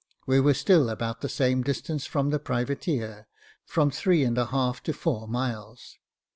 We were still about the same distance from the privateer, from three and a half to four miles.